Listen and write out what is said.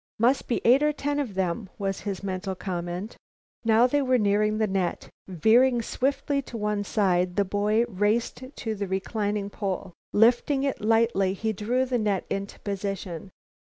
"Must be eight or ten of them," was his mental comment. Now they were nearing the net. Veering swiftly to one side, the boy raced to the reclining pole. Lifting it lightly he drew the net to position.